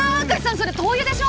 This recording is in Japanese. それ灯油でしょ！？